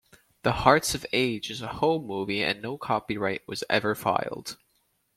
"The Hearts of Age" is a home movie and no copyright was ever filed.